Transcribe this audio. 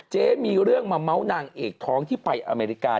มีเรื่องมาเม้านางเอกท้องที่ไปอเมริกา